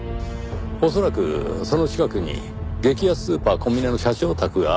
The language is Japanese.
恐らくその近くに激安スーパーコミネの社長宅があるはずです。